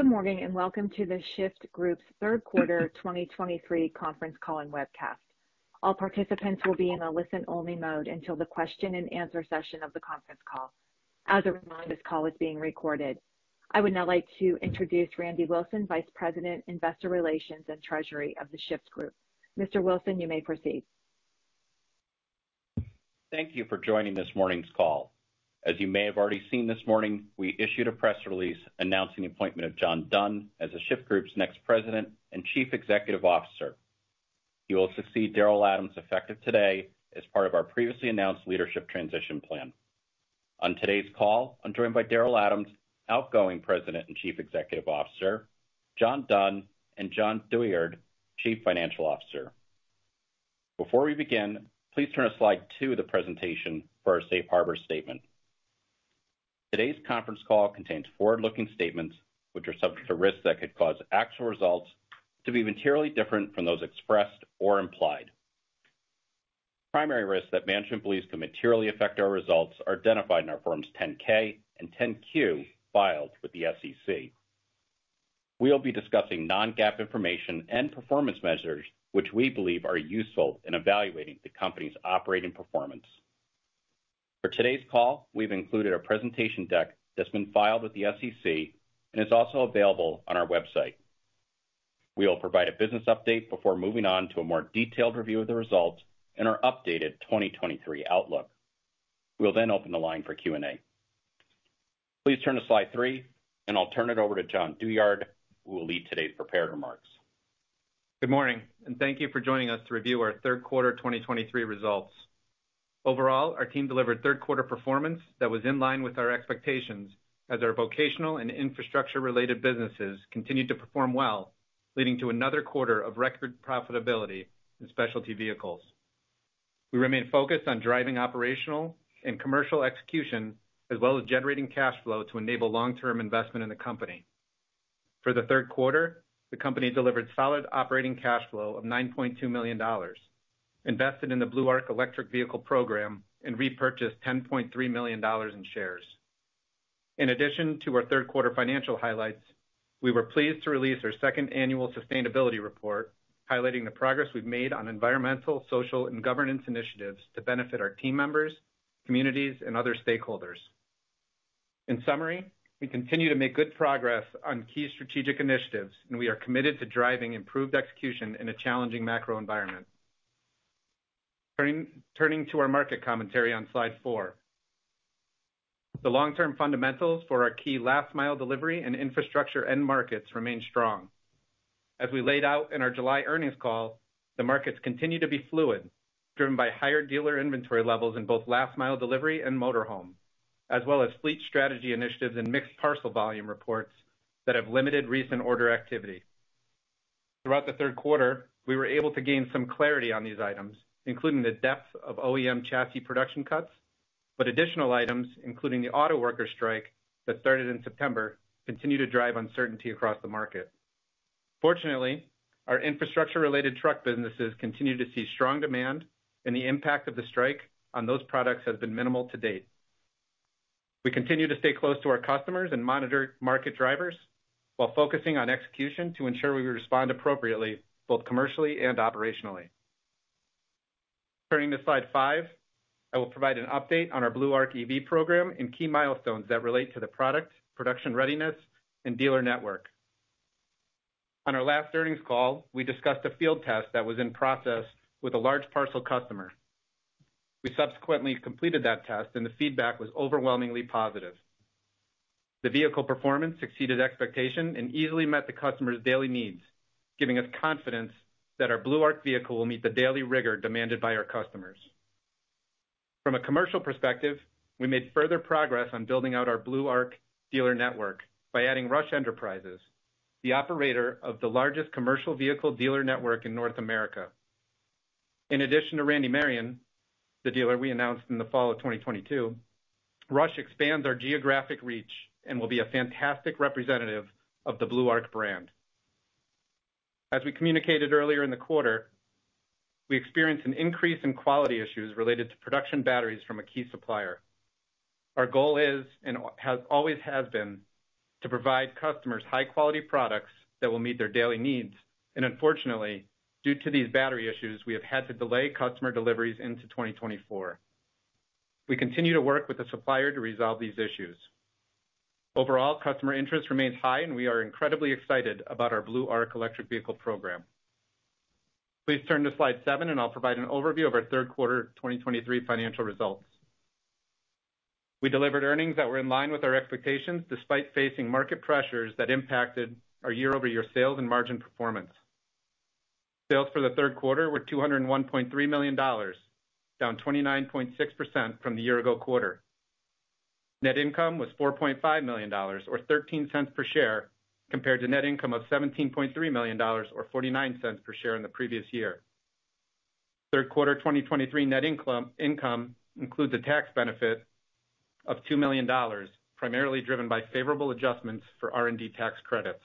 Good morning, and welcome to the Shyft Group's third quarter 2023 conference call and webcast. All participants will be in a listen-only mode until the question and answer session of the conference call. As a reminder, this call is being recorded. I would now like to introduce Randy Wilson, Vice President, Investor Relations and Treasury of the Shyft Group. Mr. Wilson, you may proceed. Thank you for joining this morning's call. As you may have already seen this morning, we issued a press release announcing the appointment of John Dunn as the Shyft Group's next President and Chief Executive Officer. He will succeed Daryl Adams, effective today, as part of our previously announced leadership transition plan. On today's call, I'm joined by Daryl Adams, outgoing President and Chief Executive Officer, John Dunn, and Jon Douyard, Chief Financial Officer. Before we begin, please turn to slide two of the presentation for our safe harbor statement. Today's conference call contains forward-looking statements, which are subject to risks that could cause actual results to be materially different from those expressed or implied. Primary risks that management believes can materially affect our results are identified in our Form 10-K and 10-Q filed with the SEC. We'll be discussing non-GAAP information and performance measures, which we believe are useful in evaluating the company's operating performance. For today's call, we've included a presentation deck that's been filed with the SEC and is also available on our website. We will provide a business update before moving on to a more detailed review of the results and our updated 2023 outlook. We'll then open the line for Q&A. Please turn to slide three, and I'll turn it over to Jon Douyard, who will lead today's prepared remarks. Good morning, and thank you for joining us to review our third quarter 2023 results. Overall, our team delivered third quarter performance that was in line with our expectations as our vocational and infrastructure-related businesses continued to perform well, leading to another quarter of record profitability in Specialty Vehicles. We remain focused on driving operational and commercial execution, as well as generating cash flow to enable long-term investment in the company. For the third quarter, the company delivered solid operating cash flow of $9.2 million, invested in the Blue Arc electric vehicle program and repurchased $10.3 million in shares. In addition to our third quarter financial highlights, we were pleased to release our second annual sustainability report, highlighting the progress we've made on environmental, social, and governance initiatives to benefit our team members, communities, and other stakeholders. In summary, we continue to make good progress on key strategic initiatives, and we are committed to driving improved execution in a challenging macro environment. Turning to our market commentary on slide 4. The long-term fundamentals for our key last mile delivery and infrastructure end markets remain strong. As we laid out in our July earnings call, the markets continue to be fluid, driven by higher dealer inventory levels in both last mile delivery and motor home, as well as fleet strategy initiatives and mixed parcel volume reports that have limited recent order activity. Throughout the third quarter, we were able to gain some clarity on these items, including the depth of OEM chassis production cuts, but additional items, including the auto worker strike that started in September, continue to drive uncertainty across the market. Fortunately, our infrastructure-related truck businesses continue to see strong demand, and the impact of the strike on those products has been minimal to date. We continue to stay close to our customers and monitor market drivers while focusing on execution to ensure we respond appropriately, both commercially and operationally. Turning to slide five, I will provide an update on our Blue Arc EV program and key milestones that relate to the product, production readiness, and dealer network. On our last earnings call, we discussed a field test that was in process with a large parcel customer. We subsequently completed that test, and the feedback was overwhelmingly positive. The vehicle performance exceeded expectation and easily met the customer's daily needs, giving us confidence that our Blue Arc vehicle will meet the daily rigor demanded by our customers. From a commercial perspective, we made further progress on building out our Blue Arc dealer network by adding Rush Enterprises, the operator of the largest commercial vehicle dealer network in North America. In addition to Randy Marion, the dealer we announced in the fall of 2022, Rush expands our geographic reach and will be a fantastic representative of the Blue Arc brand. As we communicated earlier in the quarter, we experienced an increase in quality issues related to production batteries from a key supplier. Our goal is and always has been to provide customers high-quality products that will meet their daily needs, and unfortunately, due to these battery issues, we have had to delay customer deliveries into 2024. We continue to work with the supplier to resolve these issues. Overall, customer interest remains high, and we are incredibly excited about our Blue Arc electric vehicle program. Please turn to slide seven, and I'll provide an overview of our third quarter 2023 financial results. We delivered earnings that were in line with our expectations, despite facing market pressures that impacted our year-over-year sales and margin performance. Sales for the third quarter were $201.3 million, down 29.6% from the year ago quarter. Net income was $4.5 million, or $0.13 per share, compared to net income of $17.3 million, or $0.49 per share in the previous year. Third quarter 2023 net income includes a tax benefit of $2 million, primarily driven by favorable adjustments for R&D tax credits.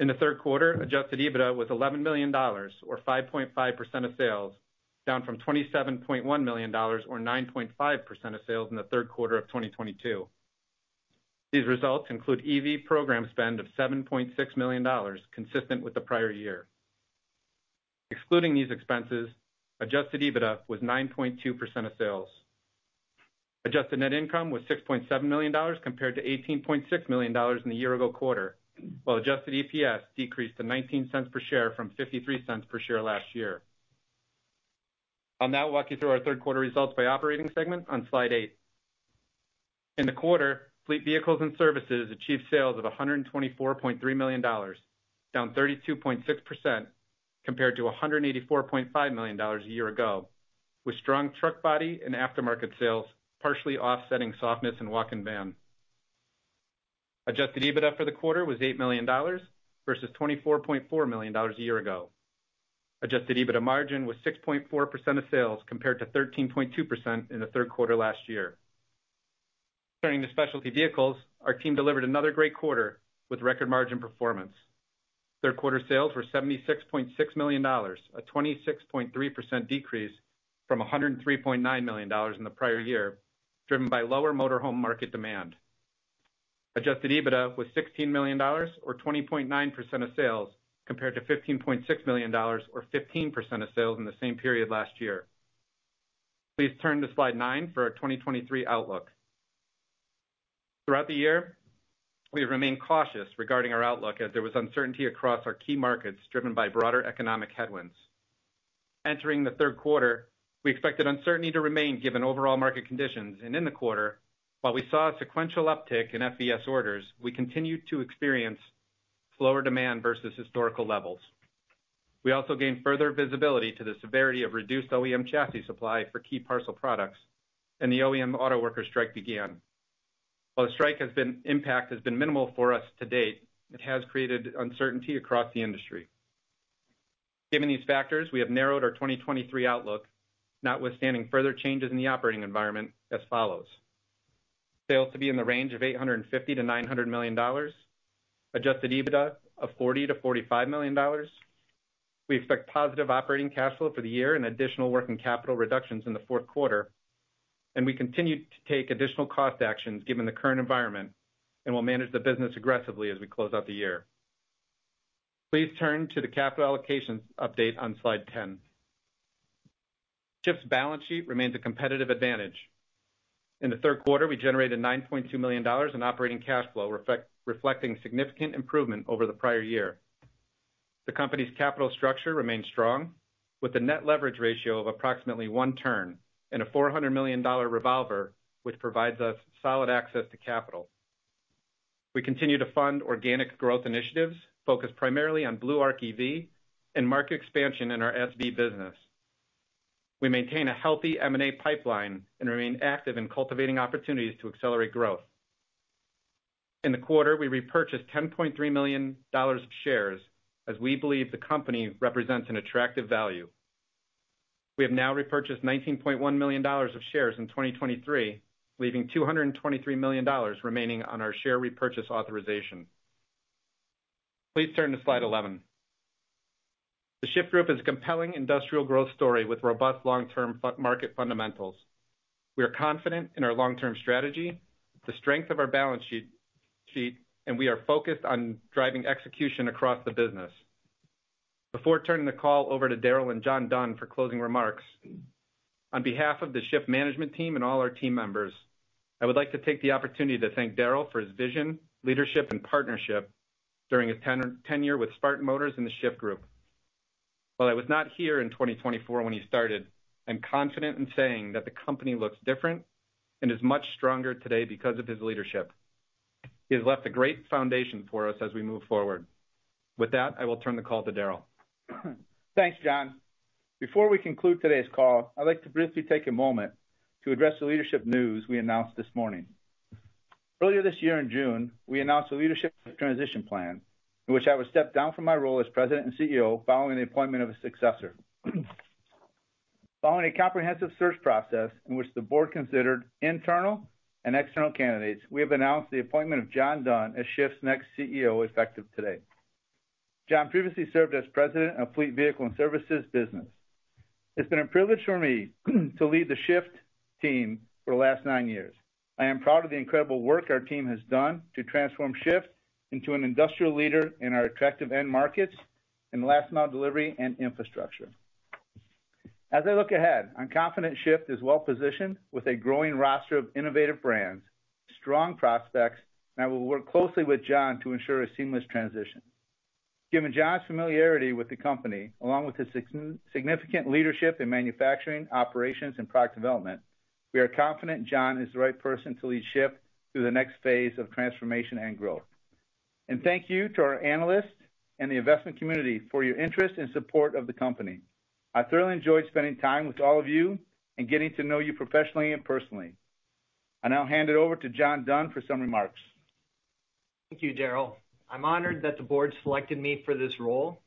In the third quarter, adjusted EBITDA was $11 million, or 5.5% of sales, down from $27.1 million, or 9.5% of sales, in the third quarter of 2022. These results include EV program spend of $7.6 million, consistent with the prior year. Excluding these expenses, adjusted EBITDA was 9.2% of sales. Adjusted net income was $6.7 million, compared to $18.6 million in the year ago quarter, while adjusted EPS decreased to $0.19 per share from $0.53 per share last year. I'll now walk you through our third quarter results by operating segment on slide 8. In the quarter, Fleet Vehicles and Services achieved sales of $124.3 million, down 32.6% compared to $184.5 million a year ago, with strong truck body and aftermarket sales, partially offsetting softness in walk-in van. Adjusted EBITDA for the quarter was $8 million versus $24.4 million a year ago. Adjusted EBITDA margin was 6.4% of sales, compared to 13.2% in the third quarter last year. Turning to Specialty Vehicles, our team delivered another great quarter with record margin performance. Third quarter sales were $76.6 million, a 26.3% decrease from $103.9 million in the prior year, driven by lower motor home market demand. Adjusted EBITDA was $16 million, or 20.9% of sales, compared to $15.6 million, or 15% of sales, in the same period last year. Please turn to slide 9 for our 2023 outlook. Throughout the year, we have remained cautious regarding our outlook, as there was uncertainty across our key markets, driven by broader economic headwinds. Entering the third quarter, we expected uncertainty to remain given overall market conditions, and in the quarter, while we saw a sequential uptick in FVS orders, we continued to experience slower demand versus historical levels. We also gained further visibility to the severity of reduced OEM chassis supply for key parcel products, and the OEM auto worker strike began. While the strike has been minimal for us to date, it has created uncertainty across the industry. Given these factors, we have narrowed our 2023 outlook, notwithstanding further changes in the operating environment as follows: Sales to be in the range of $850 million-$900 million. Adjusted EBITDA of $40 million-$45 million. We expect positive operating cash flow for the year and additional working capital reductions in the fourth quarter, and we continue to take additional cost actions given the current environment, and will manage the business aggressively as we close out the year. Please turn to the capital allocations update on slide 10. Shyft's balance sheet remains a competitive advantage. In the third quarter, we generated $9.2 million in operating cash flow, reflecting significant improvement over the prior year. The company's capital structure remains strong, with a net leverage ratio of approximately 1 turn and a $400 million revolver, which provides us solid access to capital. We continue to fund organic growth initiatives, focused primarily on Blue Arc EV and market expansion in our SV business. We maintain a healthy M&A pipeline and remain active in cultivating opportunities to accelerate growth. In the quarter, we repurchased $10.3 million of shares, as we believe the company represents an attractive value. We have now repurchased $19.1 million of shares in 2023, leaving $223 million remaining on our share repurchase authorization. Please turn to slide 11. The Shyft Group is a compelling industrial growth story with robust long-term market fundamentals. We are confident in our long-term strategy, the strength of our balance sheet, and we are focused on driving execution across the business. Before turning the call over to Daryl and John Dunn for closing remarks, on behalf of the Shyft management team and all our team members, I would like to take the opportunity to thank Daryl for his vision, leadership, and partnership during his tenure with Spartan Motors and The Shyft Group. While I was not here in 2024 when he started, I'm confident in saying that the company looks different and is much stronger today because of his leadership. He has left a great foundation for us as we move forward. With that, I will turn the call to Daryl. Thanks, Jon, Before we conclude today's call, I'd like to briefly take a moment to address the leadership news we announced this morning. Earlier this year, in June, we announced a leadership transition plan, in which I would step down from my role as President and CEO following the appointment of a successor. Following a comprehensive search process in which the board considered internal and external candidates, we have announced the appointment of John Dunn as Shyft's next CEO, effective today. John previously served as President of Fleet Vehicles and Services. It's been a privilege for me to lead the Shyft team for the last nine years. I am proud of the incredible work our team has done to transform Shyft into an industrial leader in our attractive end markets, in last mile delivery, and infrastructure. As I look ahead, I'm confident Shyft is well-positioned with a growing roster of innovative brands, strong prospects, and I will work closely with John to ensure a seamless transition. Given John's familiarity with the company, along with his significant leadership in manufacturing, operations, and product development, we are confident John is the right person to lead Shyft through the next phase of transformation and growth. Thank you to our analysts and the investment community for your interest and support of the company. I thoroughly enjoyed spending time with all of you and getting to know you professionally and personally. I now hand it over to John Dunn for some remarks. Thank you, Daryl. I'm honored that the board selected me for this role.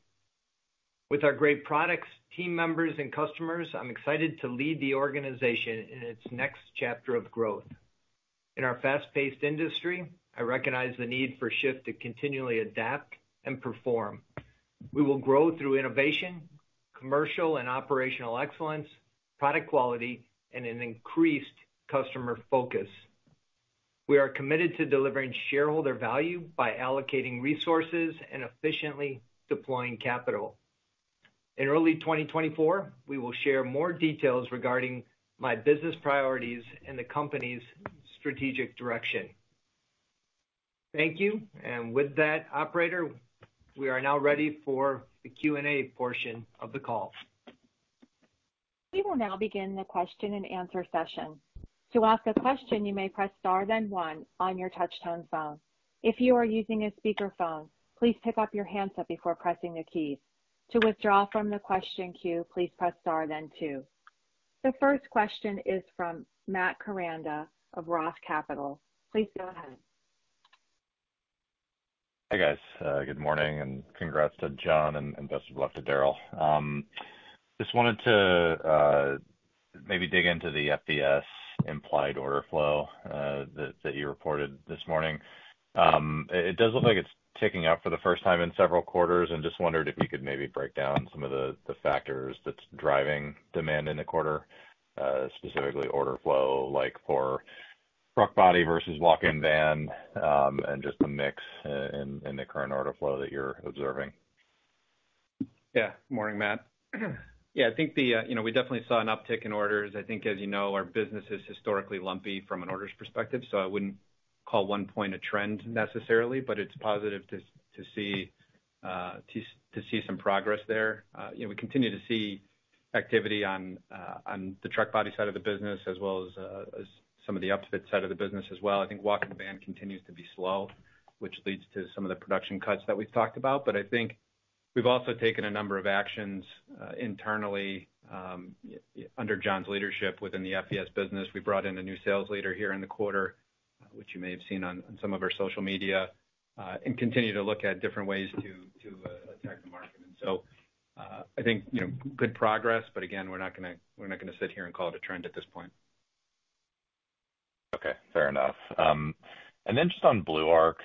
With our great products, team members, and customers, I'm excited to lead the organization in its next chapter of growth. In our fast-paced industry, I recognize the need for Shyft to continually adapt and perform. We will grow through innovation, commercial and operational excellence, product quality, and an increased customer focus. We are committed to delivering shareholder value by allocating resources and efficiently deploying capital. In early 2024, we will share more details regarding my business priorities and the company's strategic direction. Thank you. And with that, operator, we are now ready for the Q&A portion of the call. We will now begin the question-and-answer session. To ask a question, you may press Star, then One on your touchtone phone. If you are using a speakerphone, please pick up your handset before pressing the keys. To withdraw from the question queue, please press Star then Two. The first question is from Matt Koranda of Roth Capital. Please go ahead. Hi, guys. Good morning, and congrats to John and best of luck to Daryl. Just wanted to maybe dig into the FVS implied order flow that you reported this morning. It does look like it's ticking up for the first time in several quarters, and just wondered if you could maybe break down some of the factors that's driving demand in the quarter, specifically order flow, like for truck body versus walk-in van, and just the mix in the current order flow that you're observing. Yeah. Morning, Matt. Yeah, I think the, you know, we definitely saw an uptick in orders. I think, as you know, our business is historically lumpy from an orders perspective, so I wouldn't call one point a trend necessarily, but it's positive to see some progress there. You know, we continue to see activity on the truck body side of the business as well as some of the upfit side of the business as well. I think walk-in van continues to be slow, which leads to some of the production cuts that we've talked about. But I think we've also taken a number of actions internally under John's leadership within the FVS business. We brought in a new sales leader here in the quarter, which you may have seen on, on some of our social media, and continue to look at different ways to, to, attack the market. And so, I think, you know, good progress, but again, we're not gonna, we're not gonna sit here and call it a trend at this point. Okay, fair enough. And then just on Blue Arc,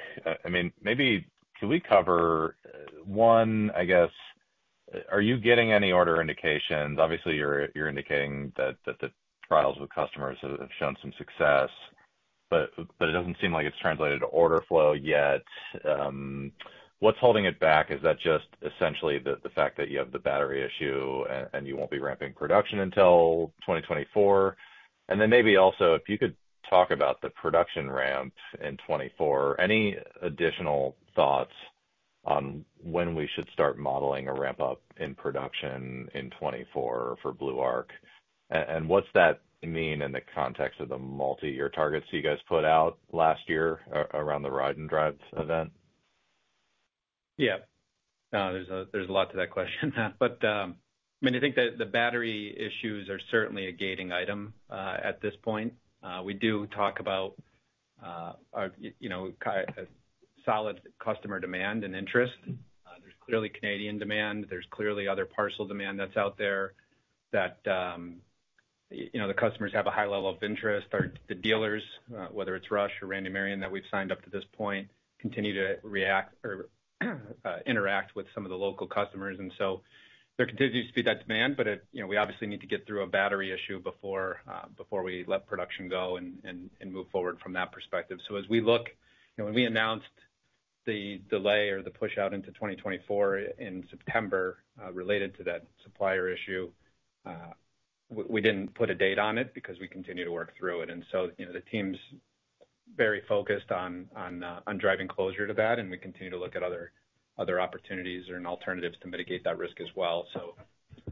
I mean, maybe can we cover, one, I guess, are you getting any order indications? Obviously, you're indicating that the trials with customers have shown some success, but it doesn't seem like it's translated to order flow yet. What's holding it back? Is that just essentially the fact that you have the battery issue and you won't be ramping production until 2024? And then maybe also, if you could talk about the production ramp in 2024. Any additional thoughts on when we should start modeling a ramp-up in production in 2024 for Blue Arc? And what's that mean in the context of the multiyear targets you guys put out last year around the Ride and Drive event? Yeah. No, there's a lot to that question. But I mean, I think that the battery issues are certainly a gating item at this point. We do talk about, you know, solid customer demand and interest. There's clearly Canadian demand, there's clearly other parcel demand that's out there that, you know, the customers have a high level of interest. The dealers, whether it's Rush or Randy Marion, that we've signed up to this point, continue to react or interact with some of the local customers. And so there continues to be that demand, but it, you know, we obviously need to get through a battery issue before we let production go and move forward from that perspective. So as we look, you know, when we announced the delay or the pushout into 2024 in September, related to that supplier issue, we didn't put a date on it because we continue to work through it. And so, you know, the team's very focused on driving closure to that, and we continue to look at other opportunities and alternatives to mitigate that risk as well. So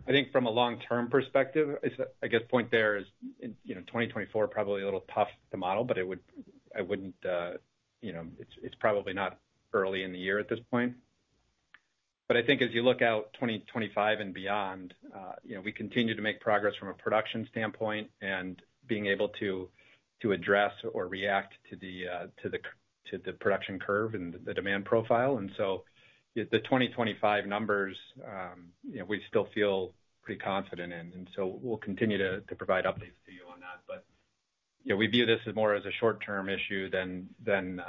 I think from a long-term perspective, it's, I guess, the point there is, you know, 2024, probably a little tough to model, but it would—I wouldn't, you know, it's probably not early in the year at this point. But I think as you look out 2025 and beyond, you know, we continue to make progress from a production standpoint and being able to address or react to the production curve and the demand profile. And so the 2025 numbers, you know, we still feel pretty confident in, and so we'll continue to provide updates to you on that. But, you know, we view this as more as a short-term issue than the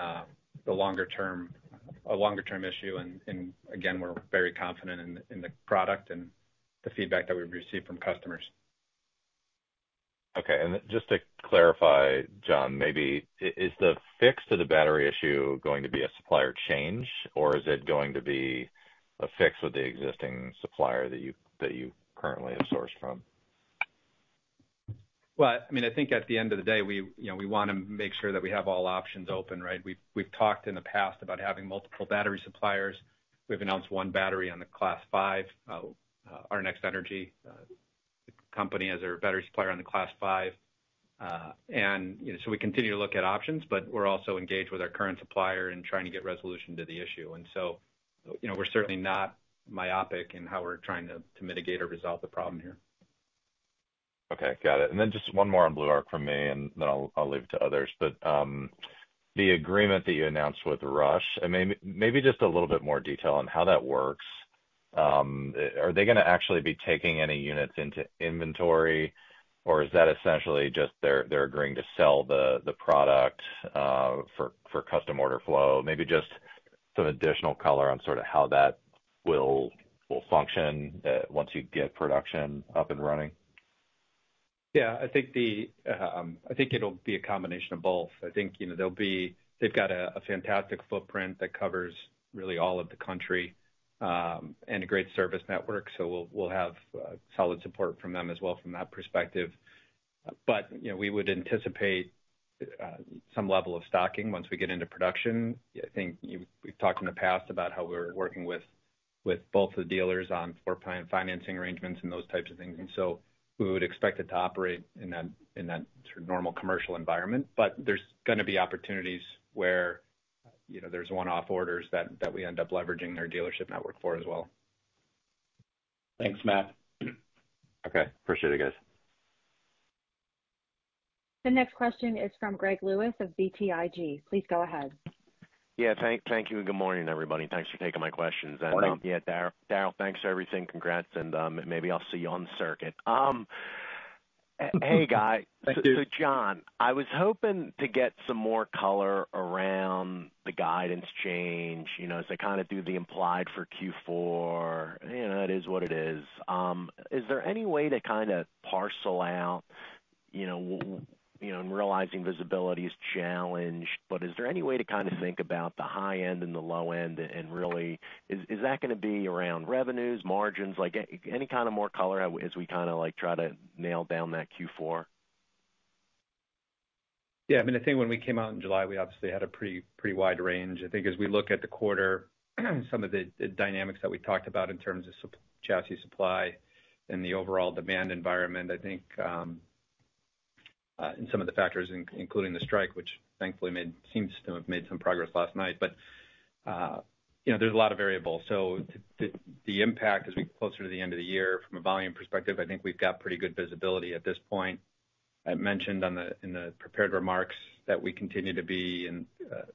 longer term - a longer-term issue. And again, we're very confident in the product and the feedback that we've received from customers. Okay, and just to clarify, Jon, maybe, is the fix to the battery issue going to be a supplier change, or is it going to be a fix with the existing supplier that you, that you currently have sourced from? Well, I mean, I think at the end of the day, we, you know, we want to make sure that we have all options open, right? We've, we've talked in the past about having multiple battery suppliers. We've announced one battery on the Class 5, Our Next Energy, company, as our battery supplier on the Class 5. And, you know, so we continue to look at options, but we're also engaged with our current supplier in trying to get resolution to the issue. And so, you know, we're certainly not myopic in how we're trying to, to mitigate or resolve the problem here. Okay, got it. And then just one more on Blue Arc from me, and then I'll leave it to others. But, the agreement that you announced with Rush, and maybe just a little bit more detail on how that works. Are they gonna actually be taking any units into inventory, or is that essentially just they're agreeing to sell the product for custom order flow? Maybe just some additional color on sort of how that will function once you get production up and running. Yeah, I think the, I think it'll be a combination of both. I think, you know, they'll be. They've got a fantastic footprint that covers really all of the country, and a great service network, so we'll have solid support from them as well from that perspective. But, you know, we would anticipate some level of stocking once we get into production. I think we've talked in the past about how we're working with both the dealers on floor plan financing arrangements and those types of things, and so we would expect it to operate in that, in that sort of normal commercial environment. But there's gonna be opportunities where, you know, there's one-off orders that we end up leveraging their dealership network for as well. Thanks, Matt. Okay, appreciate it, guys. The next question is from Greg Lewis of BTIG. Please go ahead. Yeah, thank you, and good morning, everybody. Thanks for taking my questions. Morning. Yeah, Daryl, Daryl, thanks for everything. Congrats, and maybe I'll see you on the circuit. Hey, guy- Thank you. So Jon, I was hoping to get some more color around the guidance change, you know, as I kind of do the implied for Q4. You know, it is what it is. Is there any way to kind of parcel out, you know, in realizing visibility is challenged, but is there any way to kind of think about the high end and the low end, and really, is that gonna be around revenues, margins? Like, any kind of more color as we kind of, like, try to nail down that Q4? Yeah, I mean, I think when we came out in July, we obviously had a pretty, pretty wide range. I think as we look at the quarter, some of the dynamics that we talked about in terms of chassis supply and the overall demand environment, I think, and some of the factors, including the strike, which thankfully seems to have made some progress last night. But, you know, there's a lot of variables. So the impact as we get closer to the end of the year from a volume perspective, I think we've got pretty good visibility at this point. I mentioned in the prepared remarks that we continue to be and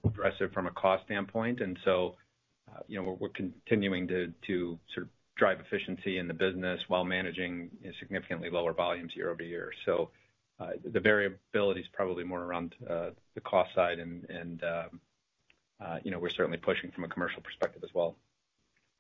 aggressive from a cost standpoint, and so, you know, we're continuing to sort of drive efficiency in the business while managing significantly lower volumes year-over-year. So, the variability is probably more around the cost side and, you know, we're certainly pushing from a commercial perspective as well.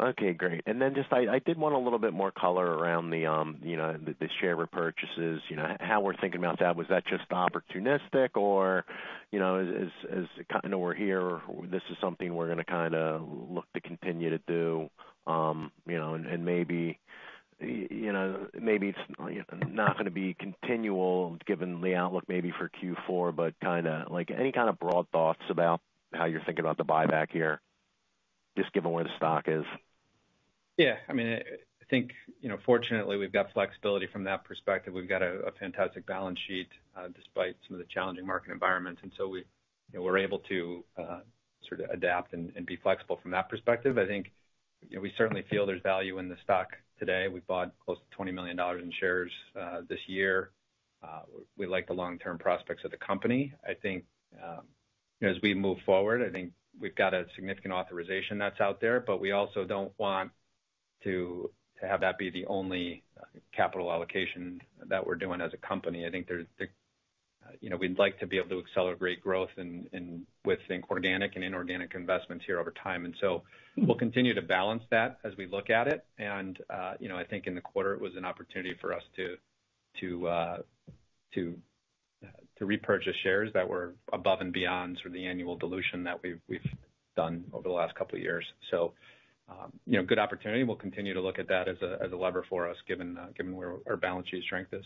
Okay, great. And then just I did want a little bit more color around the, you know, the share repurchases, you know, how we're thinking about that. Was that just opportunistic or, you know, as kind of we're here, this is something we're gonna kinda look to continue to do? You know, and maybe, you know, maybe it's, you know, not gonna be continual given the outlook maybe for Q4, but kinda like any kind of broad thoughts about how you're thinking about the buyback here, just given where the stock is? Yeah, I mean, I think, you know, fortunately, we've got flexibility from that perspective. We've got a fantastic balance sheet, despite some of the challenging market environments, and so we, you know, we're able to sort of adapt and be flexible from that perspective. I think, you know, we certainly feel there's value in the stock today. We bought close to $20 million in shares this year. We like the long-term prospects of the company. I think, as we move forward, I think we've got a significant authorization that's out there, but we also don't want to have that be the only capital allocation that we're doing as a company. I think there's, you know, we'd like to be able to accelerate growth and we think organic and inorganic investments here over time. We'll continue to balance that as we look at it. You know, I think in the quarter, it was an opportunity for us to repurchase shares that were above and beyond sort of the annual dilution that we've done over the last couple of years. You know, good opportunity. We'll continue to look at that as a lever for us, given where our balance sheet strength is.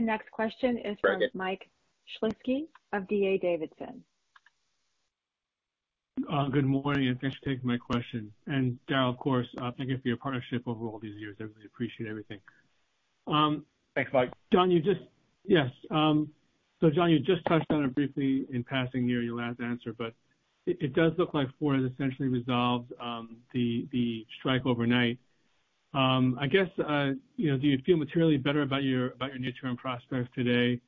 The next question is from- Greg... Mike Shlisky of D.A. Davidson. Good morning, and thanks for taking my question. And Daryl, of course, thank you for your partnership over all these years. I really appreciate everything. Thanks, Mike. Jon, you just touched on it briefly in passing near your last answer, but it does look like Ford has essentially resolved the strike overnight. I guess, you know, do you feel materially better about your near-term prospects today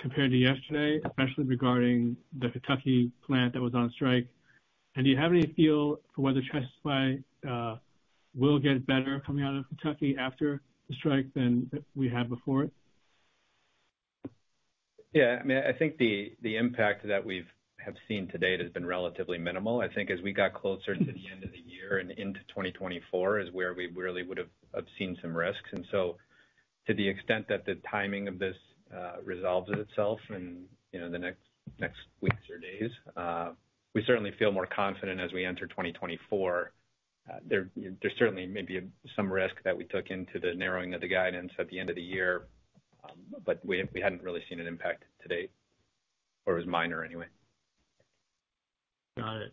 compared to yesterday, especially regarding the Kentucky plant that was on strike? And do you have any feel for whether chassis supply will get better coming out of Kentucky after the strike than we had before it? Yeah, I mean, I think the impact that we've seen to date has been relatively minimal. I think as we got closer to the end of the year and into 2024 is where we really would've seen some risks. And so to the extent that the timing of this resolves itself in, you know, the next weeks or days, we certainly feel more confident as we enter 2024. There certainly may be some risk that we took into the narrowing of the guidance at the end of the year, but we hadn't really seen an impact to date, or it was minor anyway. Got it.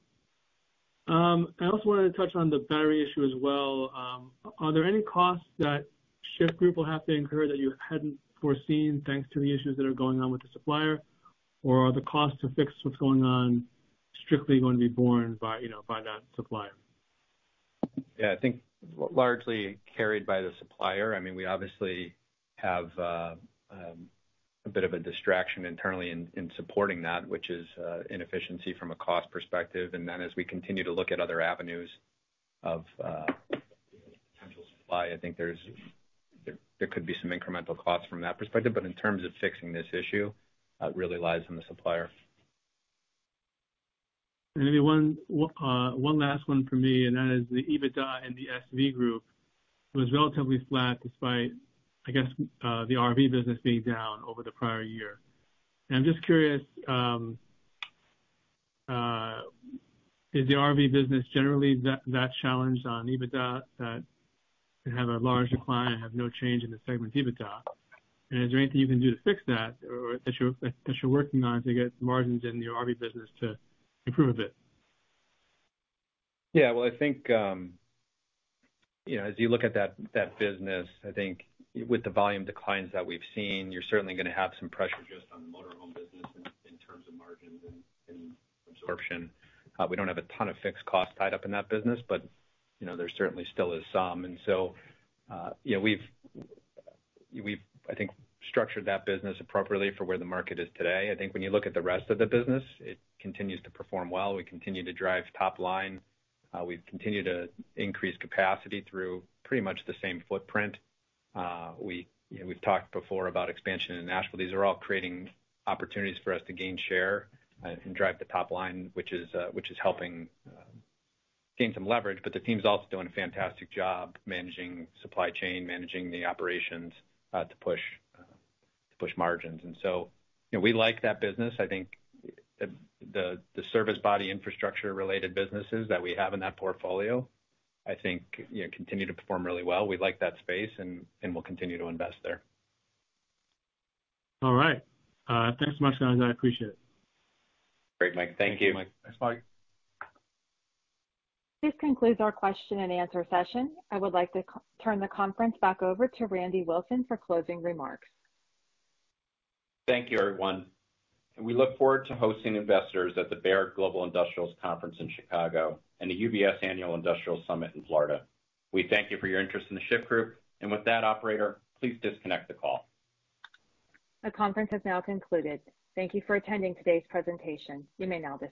I also wanted to touch on the battery issue as well. Are there any costs that Shyft Group will have to incur that you hadn't foreseen, thanks to the issues that are going on with the supplier?... Or are the costs to fix what's going on strictly going to be borne by, you know, by that supplier? Yeah, I think largely carried by the supplier. I mean, we obviously have a bit of a distraction internally in supporting that, which is inefficiency from a cost perspective. And then as we continue to look at other avenues of potential supply, I think there could be some incremental costs from that perspective, but in terms of fixing this issue, it really lies on the supplier. And maybe one, one last one for me, and that is the EBITDA and the SV group was relatively flat, despite, I guess, the RV business being down over the prior year. And I'm just curious, is the RV business generally that, that challenged on EBITDA, that you have a large decline and have no change in the segment EBITDA? And is there anything you can do to fix that or that you're, that you're working on to get the margins in the RV business to improve a bit? Yeah, well, I think, you know, as you look at that business, I think with the volume declines that we've seen, you're certainly gonna have some pressure just on the motor home business in terms of margins and absorption. We don't have a ton of fixed costs tied up in that business, but, you know, there certainly still is some. And so, you know, we've, I think, structured that business appropriately for where the market is today. I think when you look at the rest of the business, it continues to perform well. We continue to drive top line. We, you know, we've talked before about expansion in Nashville. These are all creating opportunities for us to gain share, and drive the top line, which is helping gain some leverage. But the team is also doing a fantastic job managing supply chain, managing the operations, to push margins. And so, you know, we like that business. I think the service body infrastructure related businesses that we have in that portfolio, I think, you know, continue to perform really well. We like that space and we'll continue to invest there. All right. Thanks so much, guys. I appreciate it. Great, Mike. Thank you. Thanks, Mike. This concludes our question and answer session. I would like to turn the conference back over to Randy Wilson for closing remarks. Thank you, everyone, and we look forward to hosting investors at the Baird Global Industrials Conference in Chicago and the UBS Annual Industrial Summit in Florida. We thank you for your interest in The Shyft Group, and with that, operator, please disconnect the call. The conference has now concluded. Thank you for attending today's presentation. You may now disconnect.